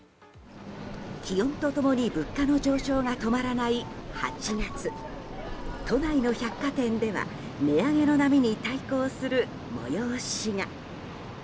気温と共に物価の上昇が止まらない８月都内の百貨店では値上げの波に対抗する催しが。